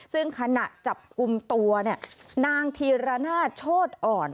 ซึ่งคณะจับกุมตัวนางธีรณาชโฆษ์อ่อน